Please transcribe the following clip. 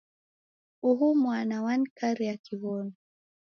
Uhu mwana wanikaria kiw'onu.